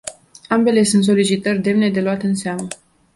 Ambele sunt solicitări demne de luat în seamă.